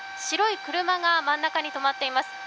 白い車が真ん中に止まっています。